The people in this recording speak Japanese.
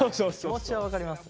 気持ちは分かります。